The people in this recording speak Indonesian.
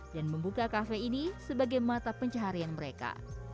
dan membuka kafe ini sebagai mata pencaharian mereka